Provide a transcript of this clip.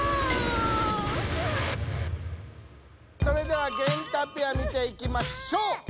それではゲンタペア見ていきましょう。